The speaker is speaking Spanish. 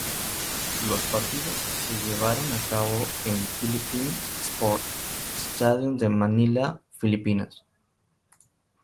Los partidos se llevaron a cabo en el Philippine Sports Stadium de Manila, Filipinas.